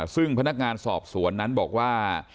ซึ่งพนักงานสอบสวนนั้นบอกว่า